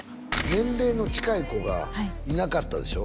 年齢の近い子がいなかったでしょ？